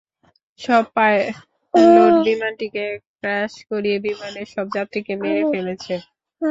সব পাইলট বিমানটিকে ক্র্যাশ করিয়ে বিমানের সব যাত্রীকে মেরে ফেলেছে।